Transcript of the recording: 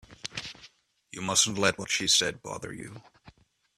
You mustn't let what she said bother you.